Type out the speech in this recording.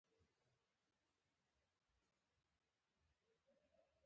د ډېرو ولایتونو محصلین دلته دېره وو.